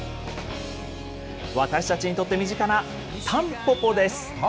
私たちにとって身近なタンポポです。